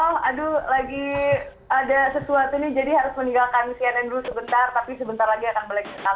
oh aduh lagi ada sesuatu nih jadi harus meninggalkan cnn dulu sebentar tapi sebentar lagi akan balik sebentar